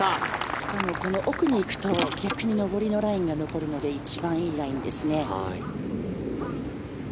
しかも奥に行くと逆に上りのラインが残るので一番いいラインですね。